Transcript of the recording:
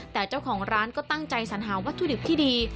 แต่เจ้าของร้านก็ตั้งใจสัญหาวัตถุดิบที่ดี